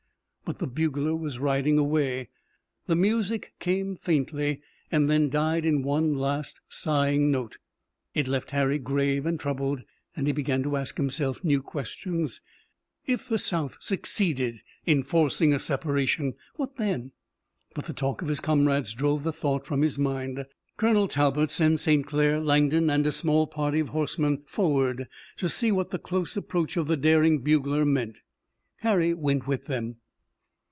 But the bugler was riding away. The music came faintly, and then died in one last sighing note. It left Harry grave and troubled, and he began to ask himself new questions. If the South succeeded in forcing a separation, what then? But the talk of his comrades drove the thought from his mind. Colonel Talbot sent St. Clair, Langdon and a small party of horsemen forward to see what the close approach of the daring bugler meant. Harry went with them.